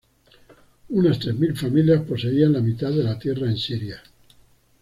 Unas tres mil familias poseían la mitad de la tierra en Siria.